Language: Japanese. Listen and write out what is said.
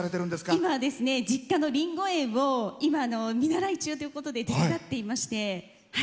今、実家のリンゴ園を見習い中ということで手伝っていまして。